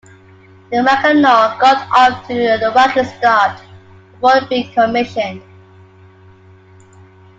The "Mackinaw" got off to a rocky start before being commissioned.